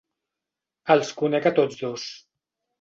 Els conec a tots dos.